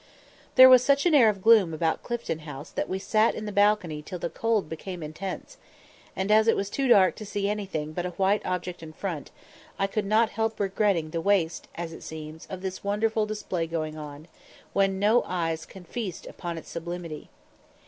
There was such an air of gloom about the Clifton House that we sat in the balcony till the cold became intense; and as it was too dark to see anything but a white object in front, I could not help regretting the waste (as it seems) of this wonderful display going on, when no eyes can feast upon its sublimity.